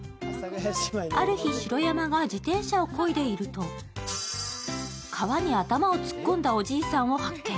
ある日、白山が自転車をこいでいると、川に頭を突っ込んだおじいさんを発見。